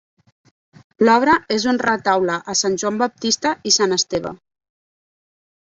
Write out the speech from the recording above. L'obra és un retaule a Sant Joan Baptista i sant Esteve.